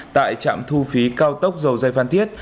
tại trạm thu phí cao tốc dầu dây phan thiết